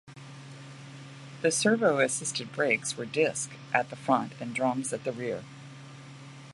The servo-assisted brakes were disc at the front and drums at the rear.